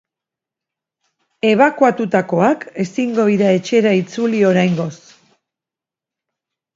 Ebakuatutakoak ezingo dira etxera itzuli oraingoz.